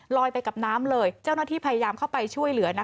ไปกับน้ำเลยเจ้าหน้าที่พยายามเข้าไปช่วยเหลือ